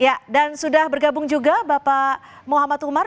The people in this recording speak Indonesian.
ya dan sudah bergabung juga bapak muhammad umar